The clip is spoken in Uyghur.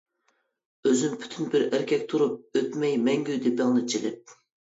ئۆزۈم پۈتۈن بىر ئەركەك تۇرۇپ، ئۆتمەي مەڭگۈ دېپىڭنى چېلىپ.